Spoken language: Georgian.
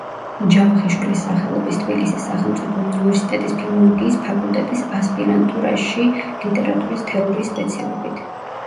ჯავახიშვილის სახელობის თბილისის სახელმწიფო უნივერსიტეტის ფილოლოგიის ფაკულტეტის ასპირანტურაში, ლიტერატურის თეორიის სპეციალობით.